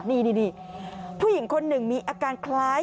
นี่ผู้หญิงคนหนึ่งมีอาการคล้าย